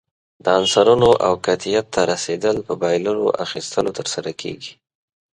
د عنصرونو اوکتیت ته رسیدل په بایللو، اخیستلو ترسره کیږي.